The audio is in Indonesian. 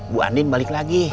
bu andin balik lagi